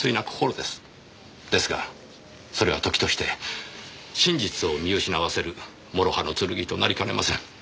ですがそれは時として真実を見失わせる諸刃の剣となりかねません。